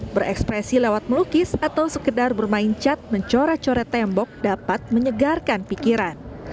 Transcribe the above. berekspresi lewat melukis atau sekedar bermain cat mencoret coret tembok dapat menyegarkan pikiran